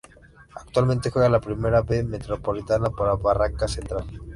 Actualmente juega la Primera B Metropolitana para Barracas Central.